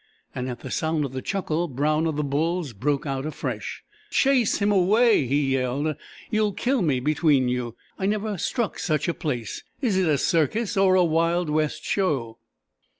And at the sound of the chuckle Brown of the Bulls broke out afresh: "Chase him away!" he yelled. "You'll kill me between you! I never struck such a place! Is it a circus or a Wild West Show?"